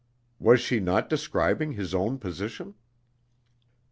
Was she not describing his own position?